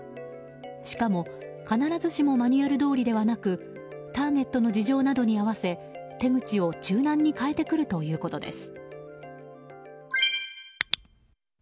しかも、必ずしもマニュアルどおりではなくターゲットの事情などに合わせ手口を柔軟に変えてくるということです。